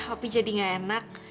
opi jadi nggak enak